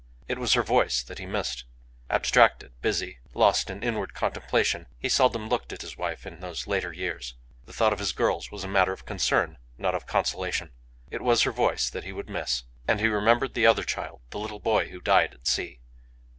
It was her voice that he missed. Abstracted, busy, lost in inward contemplation, he seldom looked at his wife in those later years. The thought of his girls was a matter of concern, not of consolation. It was her voice that he would miss. And he remembered the other child the little boy who died at sea.